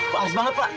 makasih banget pak